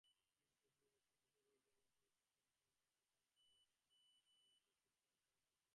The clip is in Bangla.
দুর্লভ অবসরে অমিত তাকে দেখলে।